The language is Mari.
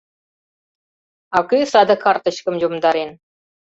А кӧ саде картычкым йомдарен?